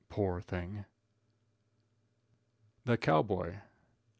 Poor thing!" The Cow Boy.